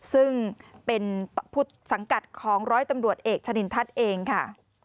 ซึ่งเป็นผู้สังกัดของร้อยตำรวจเอกชะนินทัศน์เองค่ะ